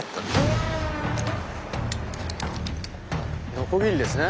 ノコギリですね。